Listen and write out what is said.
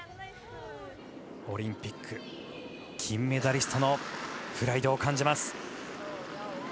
オリンピック金メダリストのプライドを感じます。